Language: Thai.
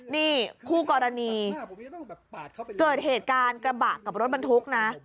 นี่คู่กรณีเกิดเหตุการณ์กระบะกับรถบรรทุกนะ